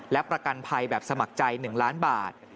และประกันภัยแบบสมัครใจ๑ล้านบาท